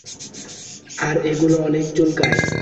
আর এগুলো অনেক চুলকায়।